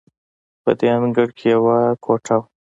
په دې انګړ کې یوه کوټه وه.